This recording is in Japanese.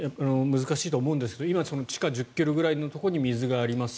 難しいと思うんですけど今地下１０ｋｍくらいのところに水があります